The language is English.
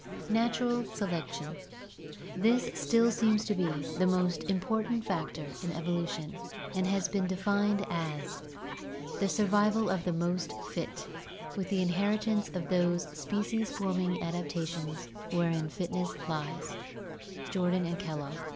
' Natural Selection This still seems to be the most important factor in evolution and has been defined as "The survival of the most fit with the in heritance of those species forming adaptations wherein fitness lies" (Jordan and Kellogg).